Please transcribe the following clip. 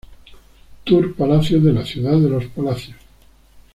Tour Palacios de la Ciudad de los Palacios.